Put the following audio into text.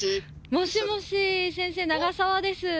もしもし先生長沢です。